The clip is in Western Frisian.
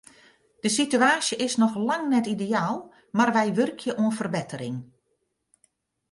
De situaasje is noch lang net ideaal, mar wy wurkje oan ferbettering.